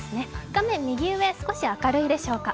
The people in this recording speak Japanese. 画面右上、少し明るいでしょうか。